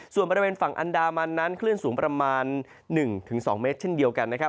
ส่วนบริเวณฝั่งอันดามันนั้นคลื่นสูงประมาณ๑๒เมตรเช่นเดียวกันนะครับ